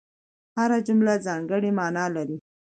هره جمله ځانګړې مانا لري.